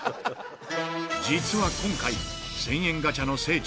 実は今回１０００円ガチャの聖地